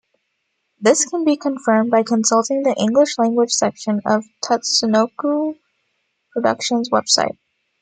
This can be confirmed by consulting the English-language section of Tatsunoko Productions' Website.